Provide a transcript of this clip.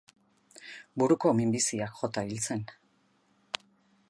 Buruko minbiziak jota hil zen.